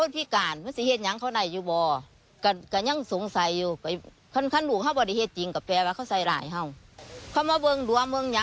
ทีนี้เราก็อยากรู้ประวัติของนายสุรสิทธิ์